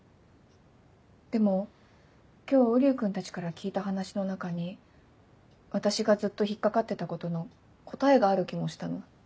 でも今日瓜生君たちから聞いた話の中に私がずっと引っかかってたことの答えがある気もしたの。